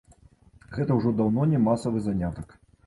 Гэта ўжо даўно не масавы занятак.